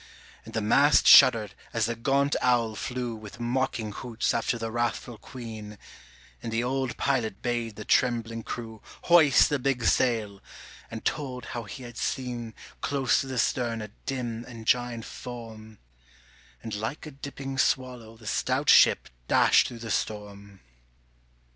And the mast shuddered as the gaunt owl flew With mocking hoots after the wrathful Queen, And the old pilot bade the trembling crew Hoist the big sail, and told how he had seen Close to the stern a dim and giant form, And like a dipping swallow the stout ship dashed through the storm.